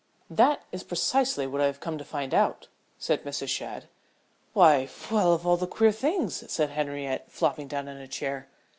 "That is precisely what I have come to find out," said Mrs. Shadd. "Why well, of all queer things," said Henriette, flopping down in a chair.